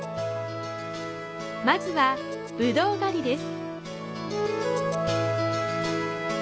まずは、ぶどう狩りです。